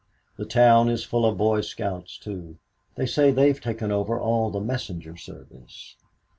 The town is full of boy scouts, too they say they've taken over all the messenger service.